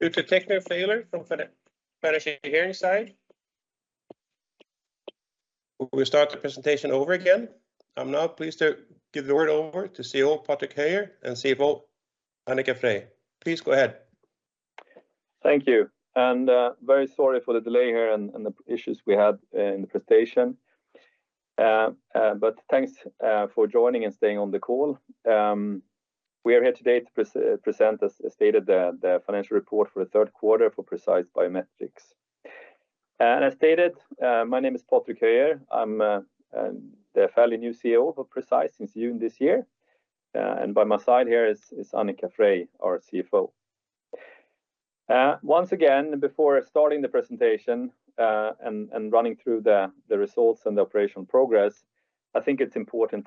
Due to technical failure from Financial Hearings side. We start the presentation over again. I'm now pleased to give the word over to CEO Patrick Höijer and CFO Annika Freij. Please go ahead. Thank you, very sorry for the delay here and the issues we had in the presentation. But thanks for joining and staying on the call. We are here today to present, as stated, the financial report for the third quarter for Precise Biometrics. As stated, my name is Patrick Höijer. I'm the fairly new CEO of Precise since June this year. By my side here is Annika Freij, our CFO. Once again, before starting the presentation and running through the results and the operational progress, I think it's important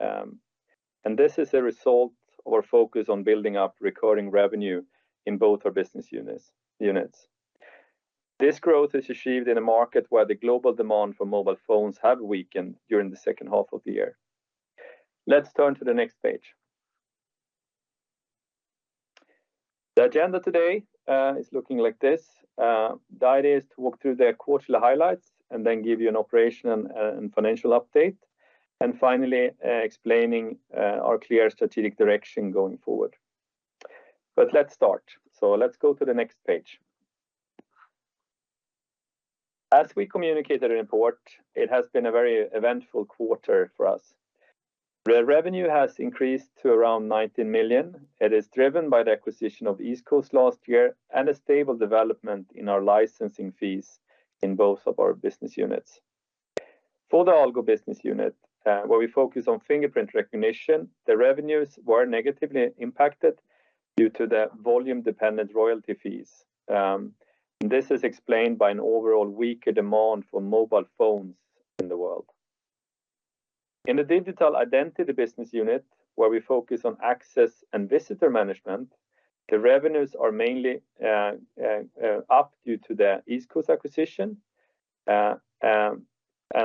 to emphasize that we are growing. This is a result of our focus on building up recurring revenue in both our business units. This growth is achieved in a market where the global demand for mobile phones have weakened during the second half of the year. Let's turn to the next page. The agenda today is looking like this. The idea is to walk through the quarterly highlights and then give you an operational and financial update and finally, explaining our clear strategic direction going forward. Let's start, so let's go to the next page. As we communicate the report, it has been a very eventful quarter for us. The revenue has increased to around 19 million. It is driven by the acquisition of EastCoast last year and a stable development in our licensing fees in both of our business units. For the Algo business unit, where we focus on fingerprint recognition, the revenues were negatively impacted due to the volume-dependent royalty fees. This is explained by an overall weaker demand for mobile phones in the world. In the Digital Identity business unit, where we focus on access and visitor management, the revenues are mainly up due to the EastCoast acquisition.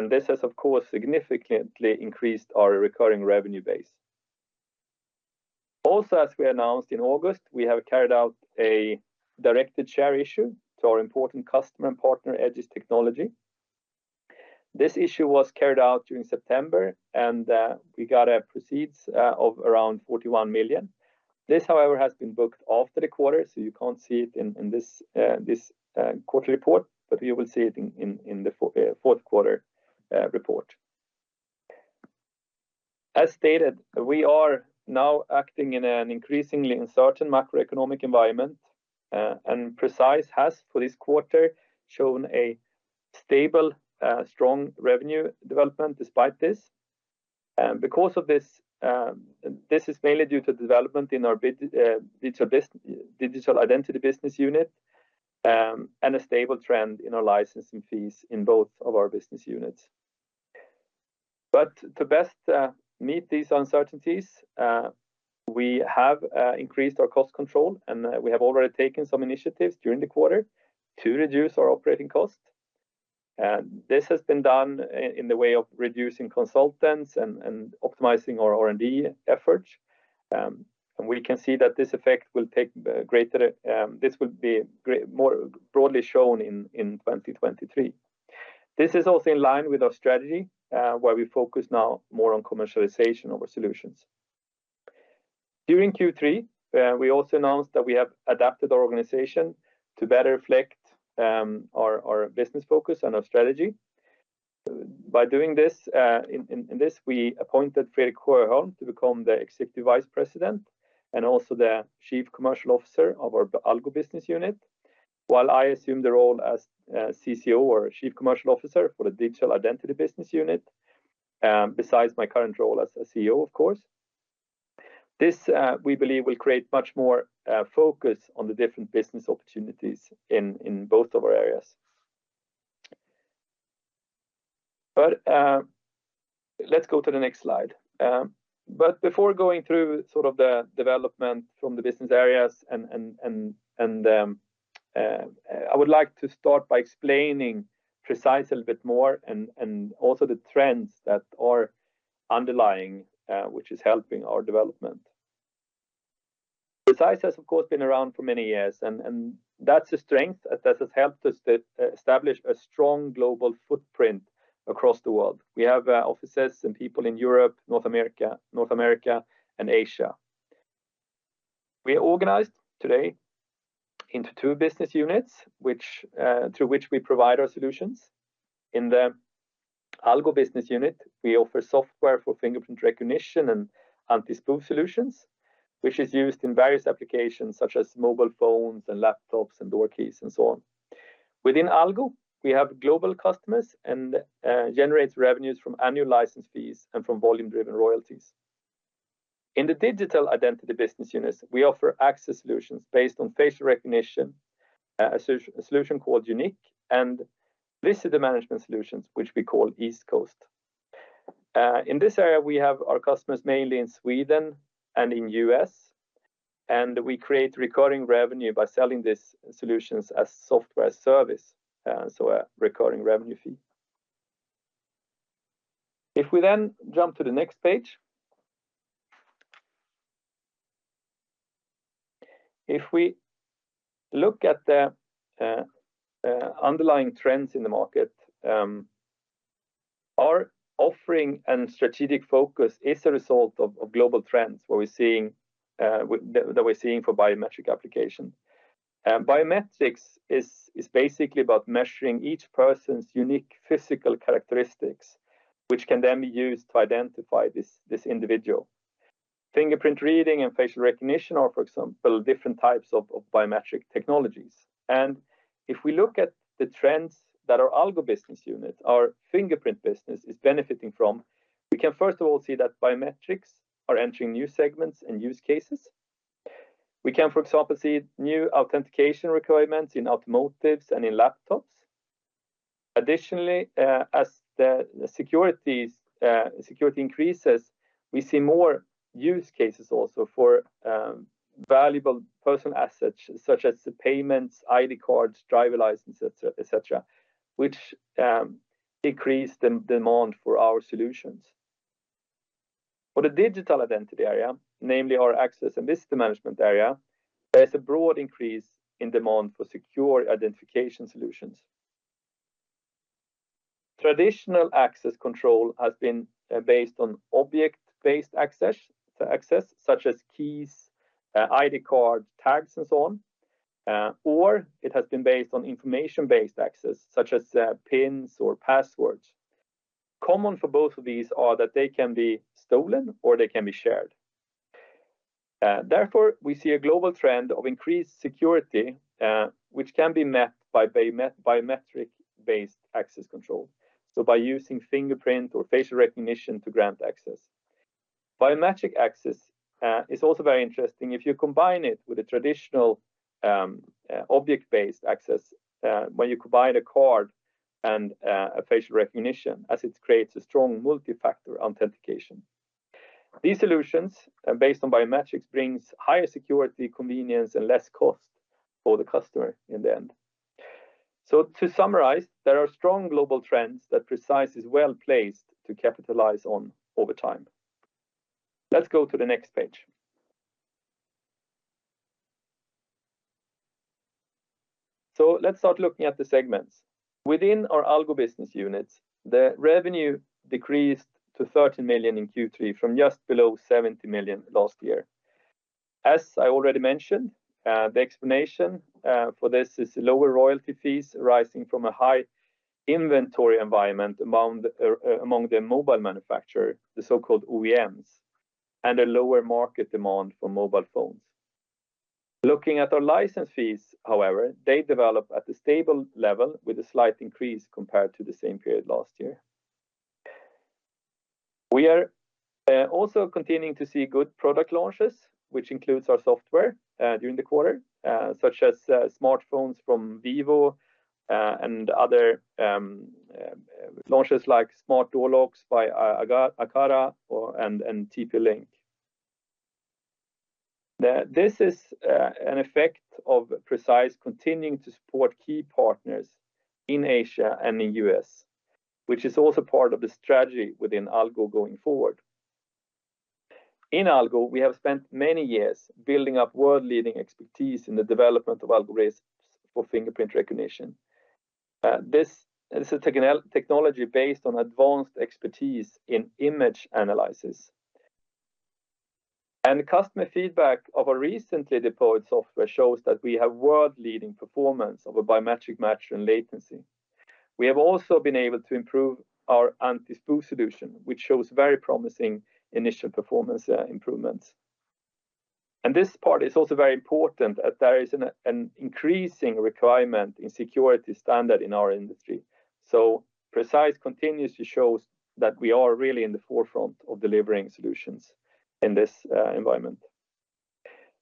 This has, of course, significantly increased our recurring revenue base. Also, as we announced in August, we have carried out a directed share issue to our important customer and partner, Egis Technology. This issue was carried out during September and we got proceeds of around 41 million. This, however, has been booked after the quarter, so you can't see it in this quarterly report. You will see it in the fourth quarter report. As stated, we are now acting in an increasingly uncertain macroeconomic environment. Precise has, for this quarter, shown a stable, strong revenue development despite this. Because of this is mainly due to development in our digital identity business unit and a stable trend in our licensing fees in both of our business units. To best meet these uncertainties, we have increased our cost control and we have already taken some initiatives during the quarter to reduce our operating cost. This has been done in the way of reducing consultants and optimizing our R&D efforts. We can see that this effect will be greater, more broadly shown in 2023. This is also in line with our strategy, where we focus now more on commercialization of our solutions. During Q3, we also announced that we have adapted our organization to better reflect our business focus and our strategy. By doing this, we appointed Fredrik Sjöholm to become the Executive Vice President and also the Chief Commercial Officer of our Algo business unit, while I assume the role as CCO or Chief Commercial Officer, for the Digital Identity business unit, besides my current role as a CEO, of course. This, we believe, will create much more focus on the different business opportunities in both of our areas. Let's go to the next slide. Before going through sort of the development from the business areas, I would like to start by explaining Precise a little bit more and also the trends that are underlying, which is helping our development. Precise has, of course, been around for many years and that's a strength that has helped us to establish a strong global footprint across the world. We have offices and people in Europe, North America and Asia. We are organized today into two business units, through which we provide our solutions. In the Algo business unit, we offer software for fingerprint recognition and anti-spoof solutions, which is used in various applications such as mobile phones and laptops and door keys and so on. Within Algo, we have global customers and generates revenues from annual license fees and from volume-driven royalties. In the Digital Identity business units, we offer access solutions based on facial recognition, a solution called YOUNiQ and visitor management solutions, which we call EastCoast. In this area, we have our customers mainly in Sweden and in U.S. and we create recurring revenue by selling these solutions as software as a service, so a recurring revenue fee. If we jump to the next page. If we look at the underlying trends in the market, our offering and strategic focus is a result of global trends, where we're seeing that we're seeing for biometric application. Biometrics is basically about measuring each person's unique physical characteristics, which can then be used to identify this individual. Fingerprint reading and facial recognition are, for example, different types of biometric technologies. If we look at the trends that our Algo business unit, our fingerprint business is benefiting from, we can first of all see that biometrics are entering new segments and use cases. We can, for example, see new authentication requirements in automotives and in laptops. Additionally, as the security increases, we see more use cases also for valuable personal assets such as the payments, ID cards, driver's license, et cetera, which increase demand for our solutions. For the Digital Identity area, namely our access and visitor management area, there's a broad increase in demand for secure identification solutions. Traditional access control has been based on object-based access such as keys, ID card, tags and so on or it has been based on information-based access such as pins or passwords. Common for both of these are that they can be stolen or they can be shared. Therefore, we see a global trend of increased security, which can be met by biometric-based access control, so by using fingerprint or facial recognition to grant access. Biometric access is also very interesting if you combine it with a traditional object-based access, when you combine a card and a facial recognition as it creates a strong multi-factor authentication. These solutions based on biometrics brings higher security, convenience and less cost for the customer in the end. To summarize, there are strong global trends that Precise is well-placed to capitalize on over time. Let's go to the next page. Let's start looking at the segments. Within our Algo business unit, the revenue decreased to 30 million in Q3 from just below 70 million last year. As I already mentioned, the explanation for this is lower royalty fees arising from a high inventory environment among the mobile manufacturer, the so-called OEMs and a lower market demand for mobile phones. Looking at our license fees, however, they develop at a stable level with a slight increase compared to the same period last year. We are also continuing to see good product launches, which includes our software, during the quarter, such as smartphones from Vivo and other launches like smart door locks by Aqara and TP-Link. This is an effect of Precise continuing to support key partners in Asia and in US, which is also part of the strategy within Algo going forward. In Algo, we have spent many years building up world-leading expertise in the development of algorithms for fingerprint recognition. This is a technology based on advanced expertise in image analysis. Customer feedback of our recently deployed software shows that we have world-leading performance of a biometric match and latency. We have also been able to improve our anti-spoof solution, which shows very promising initial performance improvements. This part is also very important that there is an increasing requirement in security standard in our industry. Precise continues to show that we are really in the forefront of delivering solutions in this environment.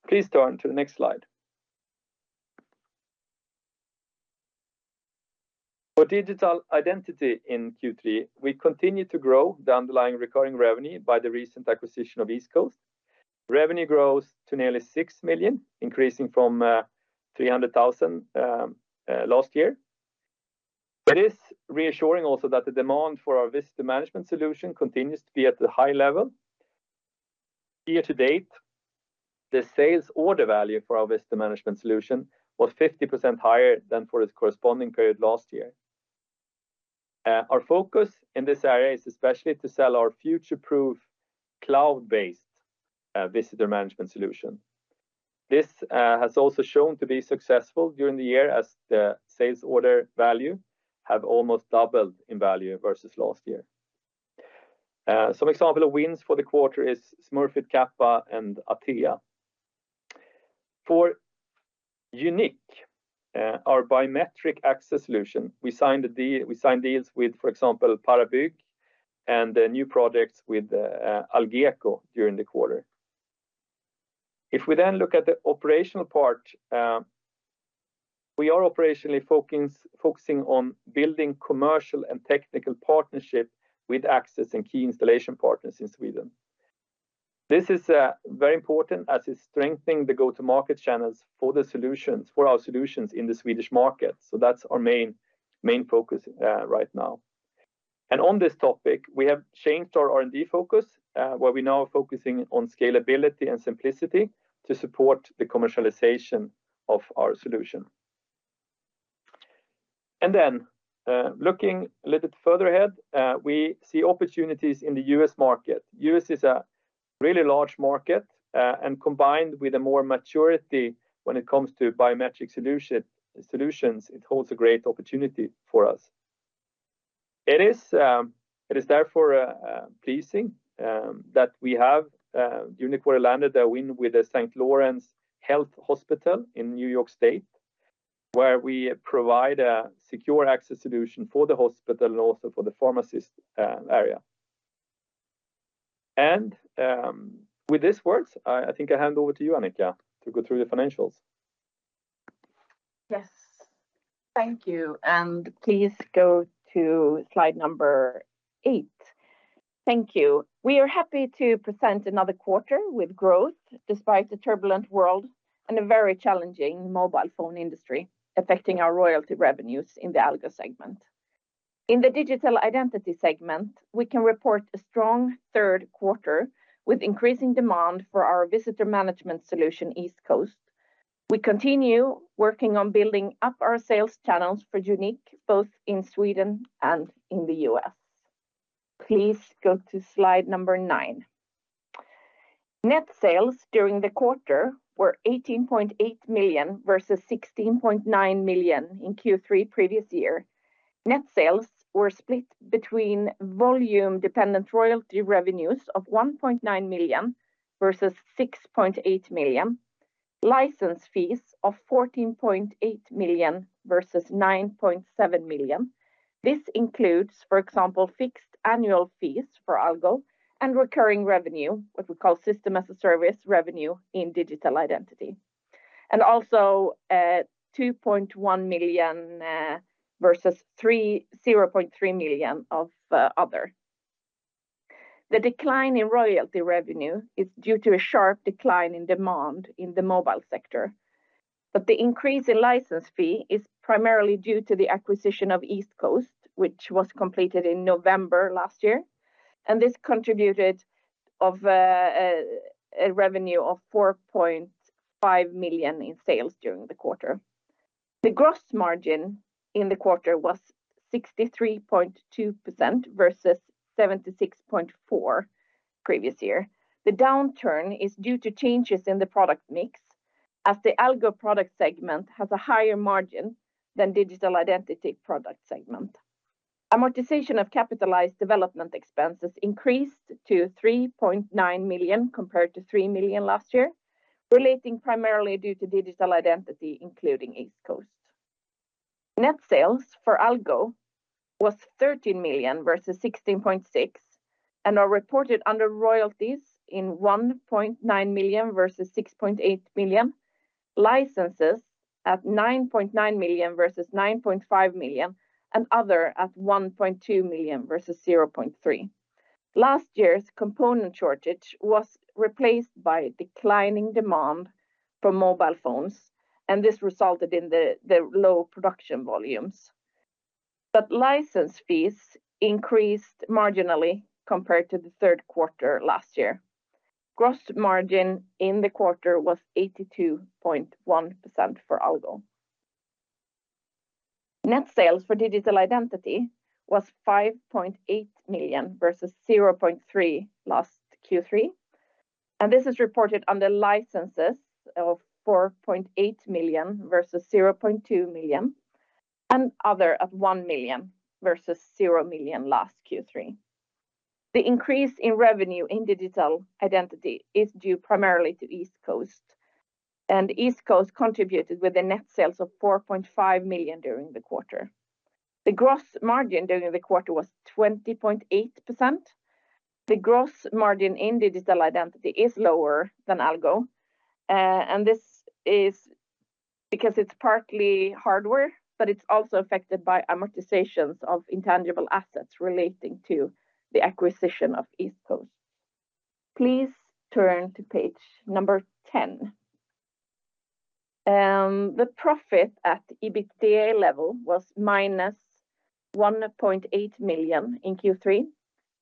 Please turn to the next slide. For Digital Identity in Q3, we continue to grow the underlying recurring revenue by the recent acquisition of EastCoast. Revenue grows to nearly 6 million, increasing from 300,000 last year. It is reassuring also that the demand for our visitor management solution continues to be at the high level. Year to date, the sales order value for our visitor management solution was 50% higher than for its corresponding period last year. Our focus in this area is especially to sell our future-proof cloud-based visitor management solution. This has also shown to be successful during the year as the sales order value have almost doubled in value versus last year. Some example of wins for the quarter is Smurfit Kappa and Atea. For YOUNiQ, our biometric access solution, we signed deals with, for example, Paras Bygg and new products with Algeco during the quarter. If we look at the operational part, we are operationally focusing on building commercial and technical partnerships with access and key installation partners in Sweden. This is very important as it's strengthening the go-to-market channels for our solutions in the Swedish market. That's our main focus right now. On this topic, we have changed our R&D focus, where we're now focusing on scalability and simplicity to support the commercialization of our solution. Looking a little bit further ahead, we see opportunities in the U.S. market. U.S. is a really large market and combined with a more maturity when it comes to biometric solutions, it holds a great opportunity for us. It is therefore pleasing that we have YOUNiQ landed a win with the St. Lawrence Health. Lawrence Health in New York State, where we provide a secure access solution for the hospital and also for the pharmacy area. With these words, I think I hand over to you, Annika, to go through the financials. Yes. Thank you and please go to slide eight. Thank you. We are happy to present another quarter with growth despite the turbulent world and a very challenging mobile phone industry affecting our royalty revenues in the Algo segment. In the Digital Identity segment, we can report a strong third quarter with increasing demand for our visitor management solution, EastCoast Solutions. We continue working on building up our sales channels for YOUNiQ, both in Sweden and in the U.S.. Please go to slide nine. Net sales during the quarter were 18.8 million, versus 16.9 million in Q3 previous year. Net sales were split between volume-dependent royalty revenues of 1.9 million, versus 6.8 million. License fees of 14.8 million, versus 9.7 million. This includes, for example, fixed annual fees for Algo and recurring revenue, what we call system as a service revenue in Digital Identity, 2.1 million versus 3.0.3 million of other. The decline in royalty revenue is due to a sharp decline in demand in the mobile sector but the increase in license fee is primarily due to the acquisition of EastCoast Solutions, which was completed in November last year and this contributed a revenue of 4.5 million in sales during the quarter. The gross margin in the quarter was 63.2%, versus 76.4% previous year. The downturn is due to changes in the product mix, as the Algo product segment has a higher margin than Digital Identity product segment. Amortization of capitalized development expenses increased to 3.9 million, compared to 3 million last year, relating primarily due to Digital Identity, including EastCoast Solutions. Net sales for Algo was 13 million, versus 16.6 million and are reported under royalties in 1.9 million, versus 6.8 million. Licenses at 9.9 million, versus 9.5 million and other at 1.2 million, versus 0.3 million. Last year's component shortage was replaced by declining demand for mobile phones and this resulted in the low production volumes. License fees increased marginally compared to the third quarter last year. Gross margin in the quarter was 82.1% for Algo. Net sales for Digital Identity was 5.8 million, versus 0.3 million last Q3 and this is reported under licenses of 4.8 million, versus 0.2 million and other at 1 million, versus 0 million last Q3. The increase in revenue in Digital Identity is due primarily to EastCoast Solutions and EastCoast Solutions contributed with the net sales of 4.5 million during the quarter. The gross margin during the quarter was 20.8%. The gross margin in Digital Identity is lower than Algo. This is because it's partly hardware but it's also affected by amortizations of intangible assets relating to the acquisition of EastCoast Solutions. Please turn to page 10. The profit at EBITDA level was -1.8 million in Q3,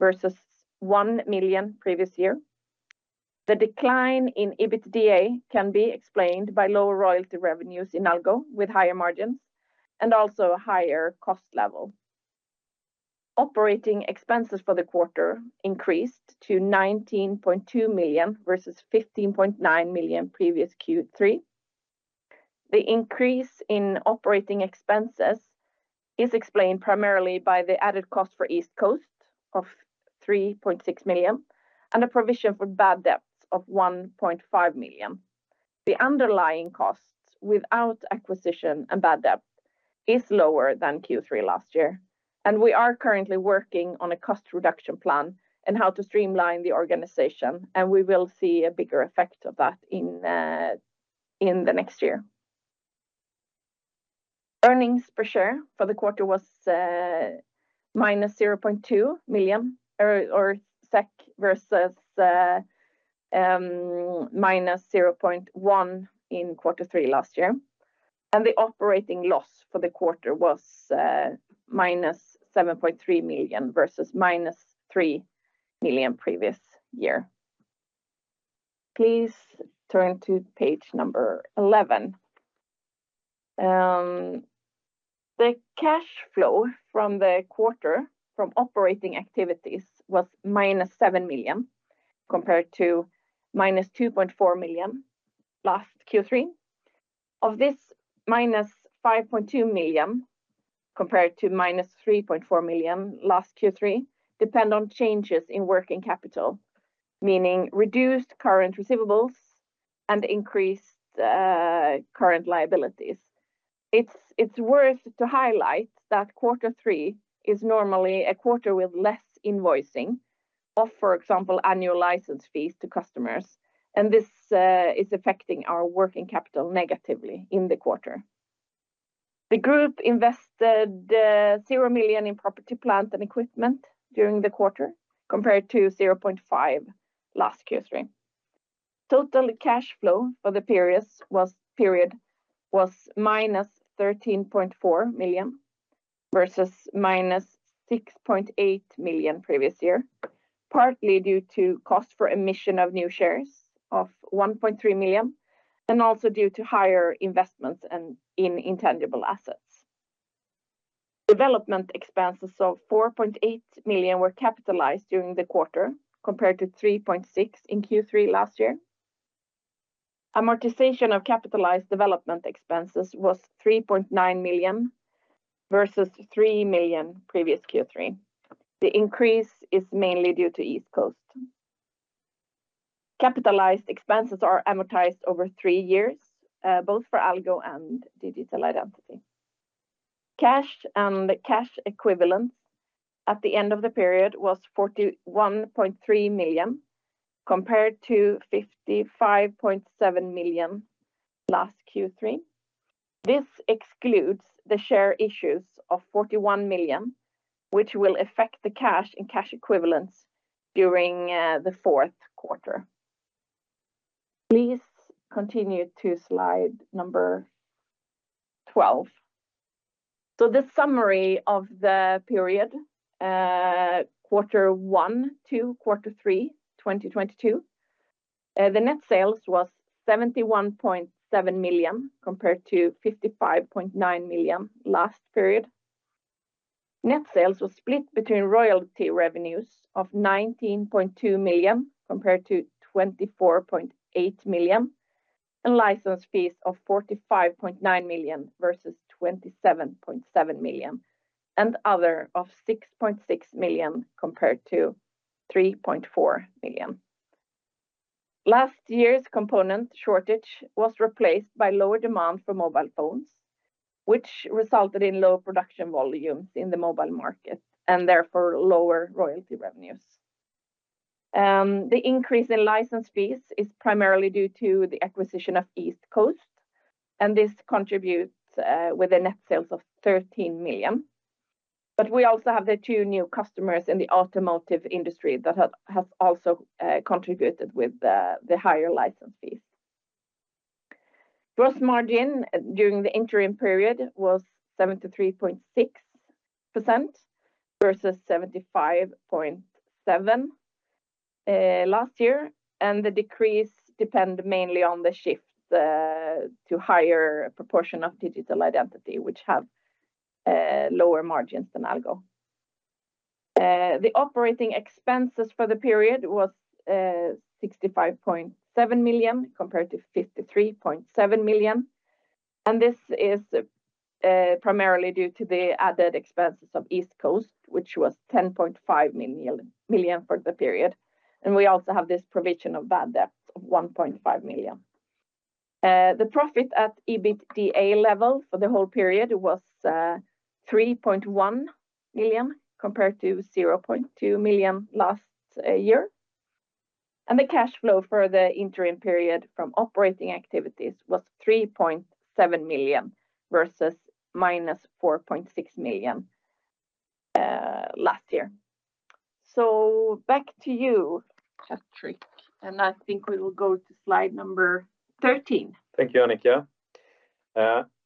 versus 1 million previous year. The decline in EBITDA can be explained by lower royalty revenues in Algo with higher margins and also a higher cost level. Operating expenses for the quarter increased to 19.2 million, versus 15.9 million previous Q3. The increase in operating expenses is explained primarily by the added cost for EastCoast Solutions of 3.6 million and a provision for bad debts of 1.5 million. The underlying costs without acquisition and bad debt is lower than Q3 last year and we are currently working on a cost reduction plan and how to streamline the organization and we will see a bigger effect of that in the next year. Earnings per share for the quarter was minus zero point two million or SEK versus minus zero point one in quarter three last year. The operating loss for the quarter was -7.3 million, versus -3 million previous year. Please turn to page 11. The cash flow from the quarter from operating activities was -7 million, compared to -2.4 million last Q3. Of this, -5.2 million, compared to -3.4 million last Q3, depended on changes in working capital, meaning reduced current receivables and increased current liabilities. It's worth highlighting that quarter three is normally a quarter with less invoicing of, for example, annual license fees to customers and this is affecting our working capital negatively in the quarter. The group invested 0 million in property, plant and equipment during the quarter compared to 0.5 million last Q3. Total cash flow for the period was -13.4 million, versus -6.8 million previous year, partly due to cost for issuance of new shares of 1.3 million and also due to higher investments in intangible assets. Development expenses of 4.8 million were capitalized during the quarter compared to 3.6 million in Q3 last year. Amortization of capitalized development expenses was 3.9 million, versus 3 million previous Q3. The increase is mainly due to EastCoast Solutions. Capitalized expenses are amortized over three years, both for Algo and Digital Identity. Cash and cash equivalents at the end of the period was 41.3 million, compared to 55.7 million last Q3. This excludes the share issues of 41 million, which will affect the cash and cash equivalents during the fourth quarter. Please continue to slide number 12. The summary of the period, quarter one to quarter three 2022. The net sales was 71.7 million compared to 55.9 million last period. Net sales was split between royalty revenues of 19.2 million compared to 24.8 million and license fees of 45.9 million versus 27.7 million and other of 6.6 million compared to 3.4 million. Last year's component shortage was replaced by lower demand for mobile phones, which resulted in low production volumes in the mobile market and therefore lower royalty revenues. The increase in license fees is primarily due to the acquisition of EastCoast Solutions and this contributes with the net sales of 13 million. We also have the two new customers in the automotive industry that have also contributed with the higher license fees. Gross margin during the interim period was 73.6% versus 75.7% last year and the decrease depend mainly on the shift to higher proportion of Digital Identity which have lower margins than Algo. The operating expenses for the period was sixty-five point seven million compared to fifty-three point seven million and this is primarily due to the added expenses of EastCoast Solutions, which was ten point five million for the period. We also have this provision of bad debt of one point five million. The profit at EBITDA level for the whole period was three point one million compared to zero point two million last year. The cash flow for the interim period from operating activities was 3.7 million versus -4.6 million last year. Back to you, Patrick and I think we will go to slide number 13. Thank you, Annika.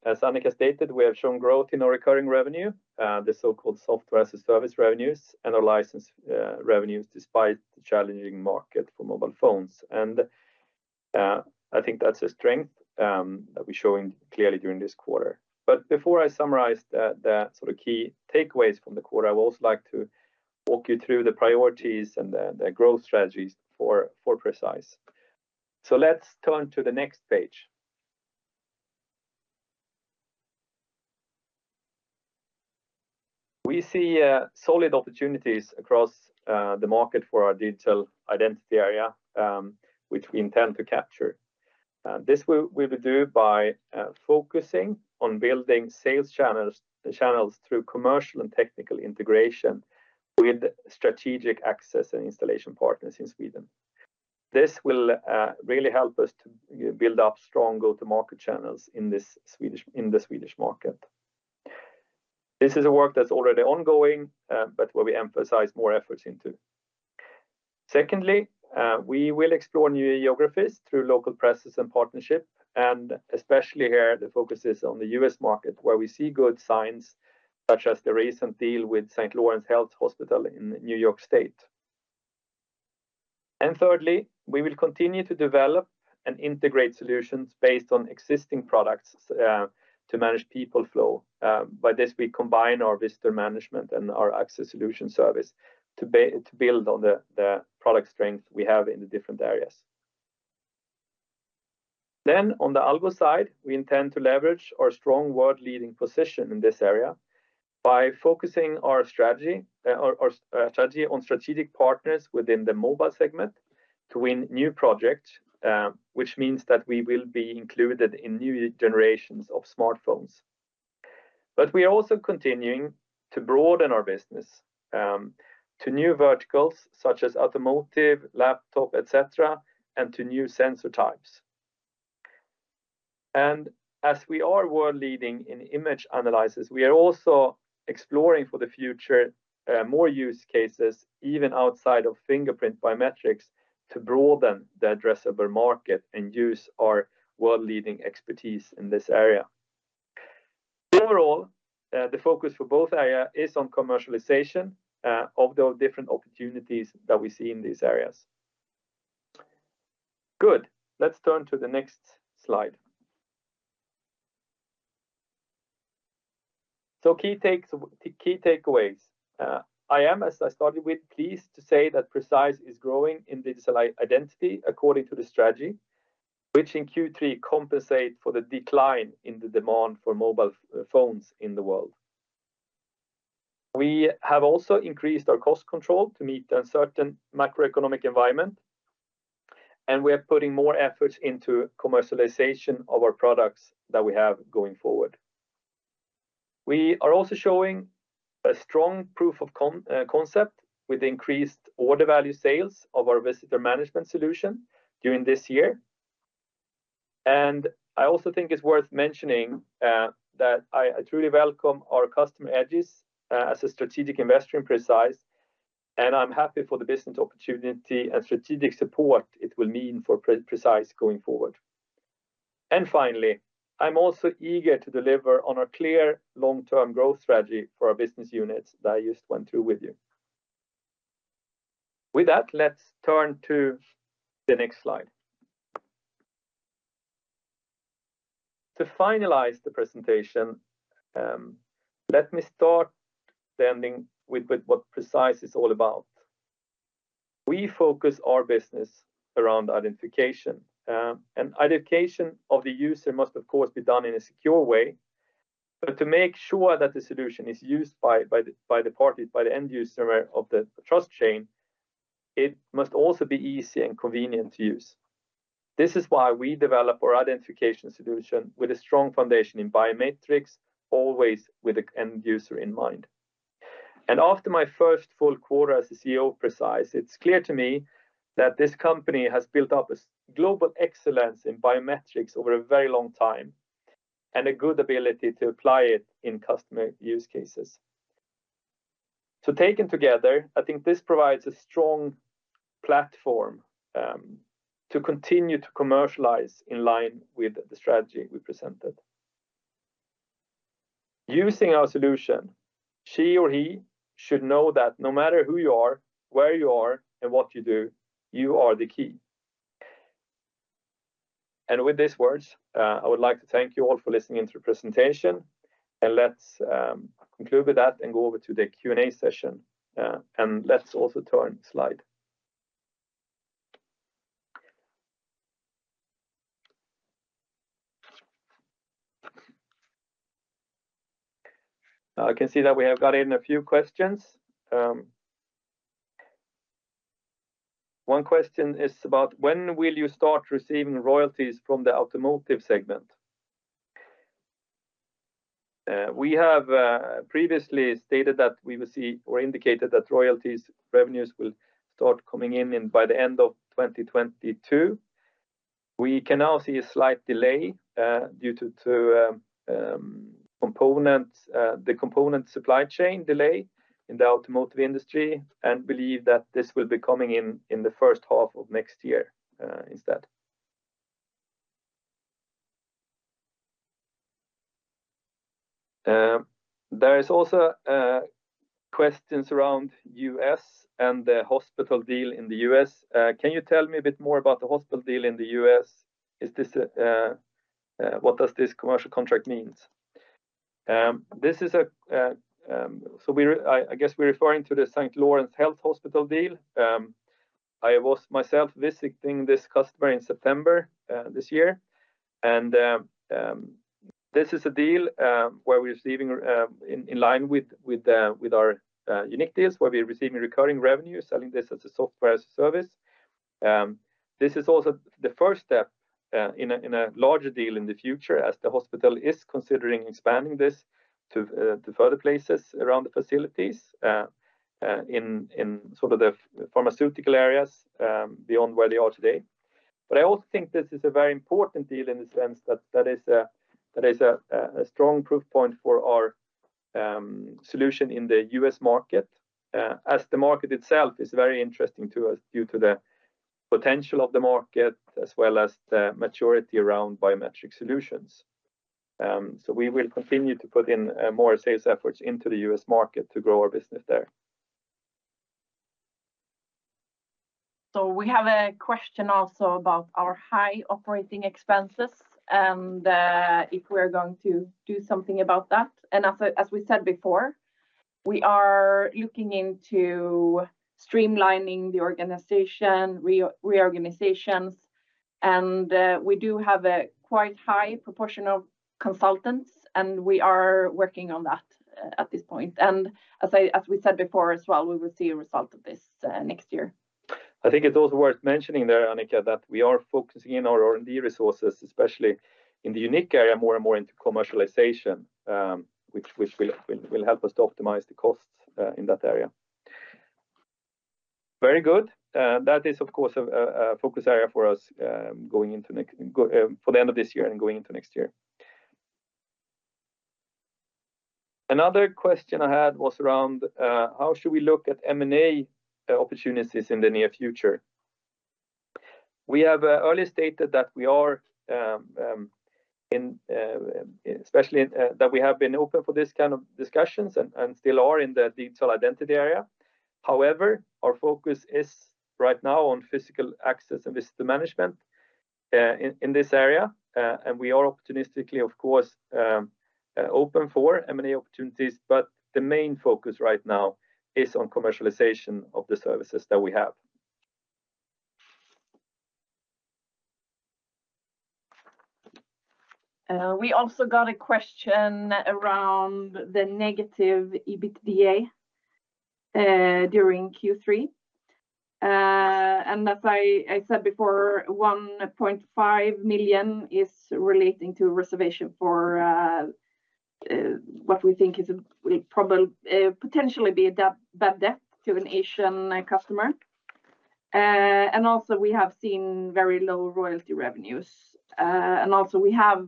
As Annika stated, we have shown growth in our recurring revenue, the so-called software as a service revenues and our license revenues despite the challenging market for mobile phones. I think that's a strength that we're showing clearly during this quarter. Before I summarize the sort of key takeaways from the quarter, I would also like to walk you through the priorities and the growth strategies for Precise. Let's turn to the next page. We see solid opportunities across the market for our Digital Identity area, which we intend to capture. We will do this by focusing on building sales channels through commercial and technical integration with strategic access and installation partners in Sweden. This will really help us to build up strong go-to-market channels in the Swedish market. This is a work that's already ongoing but where we emphasize more efforts into. Secondly, we will explore new geographies through local presence and partnership and especially here, the focus is on the U.S. market, where we see good signs, such as the recent deal with St. Lawrence Health Hospital in New York State. Thirdly, we will continue to develop and integrate solutions based on existing products to manage people flow. By this we combine our visitor management and our access solution service to build on the product strength we have in the different areas. On the Algo side, we intend to leverage our strong world-leading position in this area by focusing our strategy on strategic partners within the mobile segment to win new projects, which means that we will be included in new generations of smartphones. We are also continuing to broaden our business to new verticals such as automotive, laptop, et cetera and to new sensor types. As we are world-leading in image analysis, we are also exploring for the future more use cases, even outside of fingerprint biometrics to broaden the addressable market and use our world-leading expertise in this area. Overall, the focus for both areas is on commercialization of the different opportunities that we see in these areas. Good. Let's turn to the next slide. Key takeaways. I am, as I started with, pleased to say that Precise is growing in digital identity according to the strategy, which in Q3 compensate for the decline in the demand for mobile phones in the world. We have also increased our cost control to meet a certain macroeconomic environment and we are putting more efforts into commercialization of our products that we have going forward. We are also showing a strong proof of concept with increased order value sales of our visitor management solution during this year. I also think it's worth mentioning that I truly welcome our customer Egis as a strategic investor in Precise and I'm happy for the business opportunity and strategic support it will mean for Precise going forward. Finally, I'm also eager to deliver on our clear long-term growth strategy for our business units that I just went through with you. With that, let's turn to the next slide. To finalize the presentation, let me start by stating what Precise is all about. We focus our business around identification. Identification of the user must, of course, be done in a secure way. To make sure that the solution is used by the end user of the trust chain, it must also be easy and convenient to use. This is why we develop our identification solution with a strong foundation in biometrics, always with an end user in mind. After my first full quarter as the CEO of Precise, it's clear to me that this company has built up a global excellence in biometrics over a very long time and a good ability to apply it in customer use cases. Taken together, I think this provides a strong platform to continue to commercialize in line with the strategy we presented. Using our solution, she or he should know that no matter who you are, where you are and what you do, you are the key. With these words, I would like to thank you all for listening to the presentation. Let's conclude with that and go over to the Q&A session. Let's also turn slide. I can see that we have got in a few questions. One question is about when will you start receiving royalties from the automotive segment? We have previously stated that we will see or indicated that royalties revenues will start coming in by the end of 2022. We can now see a slight delay due to the component supply chain delay in the automotive industry and believe that this will be coming in in the first half of next year instead. There is also questions around the U.S. and the hospital deal in the U.S. Can you tell me a bit more about the hospital deal in the U.S.? Is this what does this commercial contract means? I guess we're referring to the St. Lawrence Health hospital deal. I was myself visiting this customer in September this year. This is a deal where we're receiving in line with our unique deals, where we're receiving recurring revenue, selling this as a software service. This is also the first step in a larger deal in the future, as the hospital is considering expanding this to further places around the facilities in sort of the pharmaceutical areas beyond where they are today. I also think this is a very important deal in the sense that is a strong proof point for our solution in the US market, as the market itself is very interesting to us due to the potential of the market, as well as the maturity around biometric solutions. We will continue to put in more sales efforts into the U.S. market to grow our business there. We have a question also about our high operating expenses and if we're going to do something about that. As we said before, we are looking into streamlining the organization, reorganizations and we do have a quite high proportion of consultants and we are working on that at this point. As we said before as well, we will see a result of this next year. I think it's also worth mentioning there Annika that we are focusing in our R&D resources, especially in the YOUNiQ area, more and more into commercialization, which will help us to optimize the costs in that area. Very good. That is, of course, a focus area for us, going forward for the end of this year and going into next year. Another question I had was around how should we look at M&A opportunities in the near future. We have earlier stated that we have been open for this kind of discussions and still are in the Digital Identity area. However, our focus is right now on physical access and visitor management in this area. We are opportunistically, of course, open for M&A opportunities but the main focus right now is on commercialization of the services that we have. We also got a question around the negative EBITDA during Q3. As I said before, 1.5 million is relating to provision for what we think is potentially a bad debt to an Asian customer. We have seen very low royalty revenues. We also have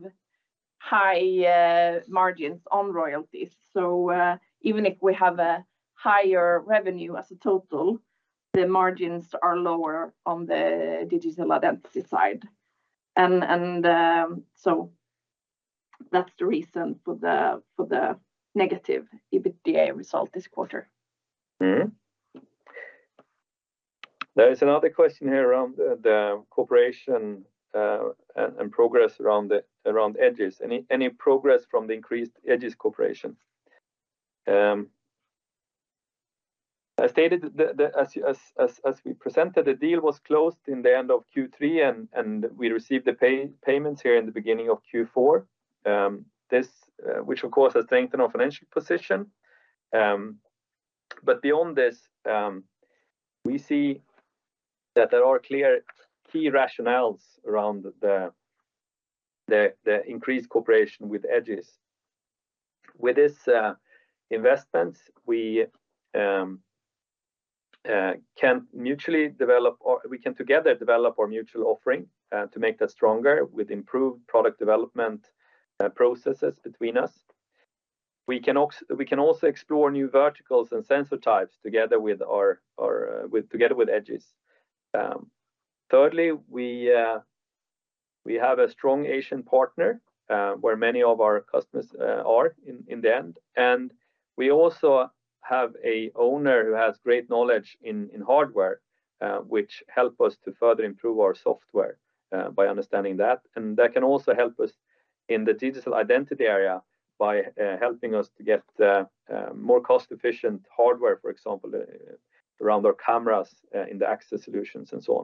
high margins on royalties. Even if we have a higher revenue as a total, the margins are lower on the Digital Identity side. That's the reason for the negative EBITDA result this quarter There is another question here around the cooperation and progress around Egis. Any progress from the increased Egis cooperation? As stated, as we presented, the deal was closed in the end of Q3 and we received the payments here in the beginning of Q4. This, which of course has strengthened our financial position. Beyond this, we see that there are clear key rationales around the increased cooperation with Egis. With this investment, we can mutually develop or we can together develop our mutual offering to make that stronger with improved product development processes between us. We can also explore new verticals and sensor types together with Egis. Thirdly, we have a strong Asian partner where many of our customers are in the end. We also have a owner who has great knowledge in hardware, which help us to further improve our software by understanding that. That can also help us in the digital identity area by helping us to get more cost-efficient hardware, for example, around our cameras in the access solutions and so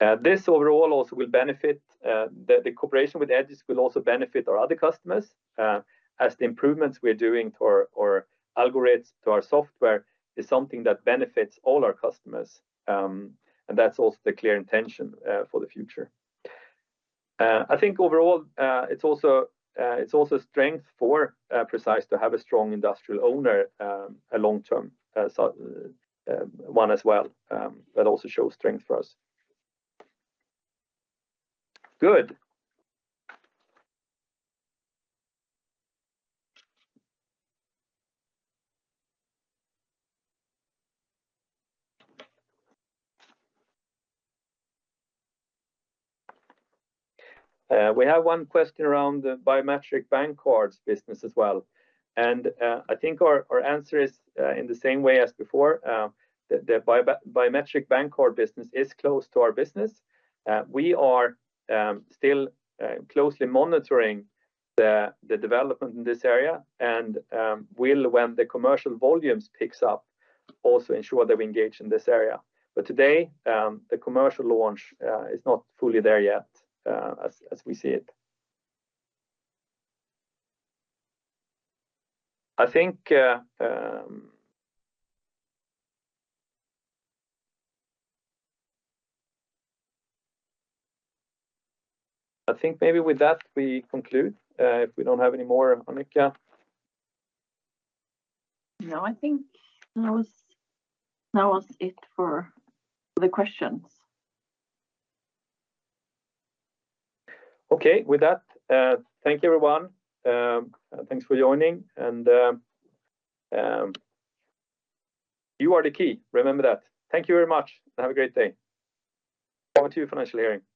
on. This overall also will benefit. The cooperation with Egis will also benefit our other customers, as the improvements we're doing to our algorithms to our software is something that benefits all our customers. That's also the clear intention for the future. I think overall, it's also a strength for Precise to have a strong industrial owner, a long-term one as well, that also shows strength for us. Good. We have one question around the biometric bank cards business as well. I think our answer is, in the same way as before, the biometric bank card business is close to our business. We are still closely monitoring the development in this area and will when the commercial volumes picks up, also ensure that we engage in this area. But today, the commercial launch is not fully there yet, as we see it. I think maybe with that, we conclude, if we don't have any more, Annika. No, I think that was it for the questions. Okay. With that, thank you everyone. Thanks for joining. You are the key. Remember that. Thank you very much. Have a great day. Forward to your Financial Hearings.